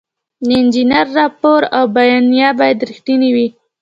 د انجینر راپور او بیانیه باید رښتینې وي.